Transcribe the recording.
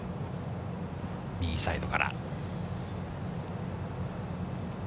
右サイドから。